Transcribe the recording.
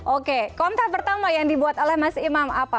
oke konten pertama yang dibuat oleh mas imam apa